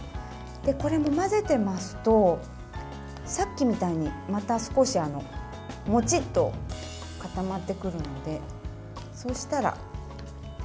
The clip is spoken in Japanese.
これも混ぜてますとさっきみたいにまた少しもちっと固まってくるのでそうしたらＯＫです。